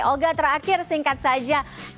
olga terakhir singkat saja